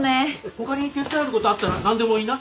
ほかに手伝えることあったら何でも言いな。